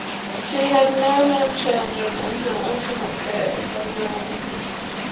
She had no known children and her ultimate fate is unknown.